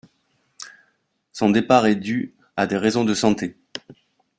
Son départ est dû à des raisons de santé.